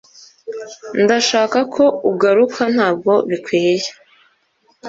ndashaka ko ugaruka ntabwo bikwiye